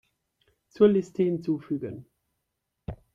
Zur Liste hinzufügen.